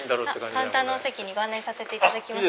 カウンターのお席にご案内させていただきます。